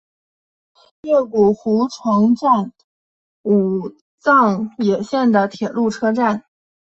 越谷湖城站武藏野线的铁路车站。